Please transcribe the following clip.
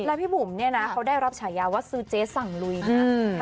แล้วพี่บุ๋มเนี่ยนะเขาได้รับฉายาว่าซื้อเจ๊สั่งลุยนะ